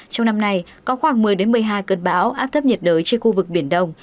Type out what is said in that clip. trong năm nay có khoảng một mươi một mươi hai cơn bão áp thấp nhiệt đới trên khu vực biển đông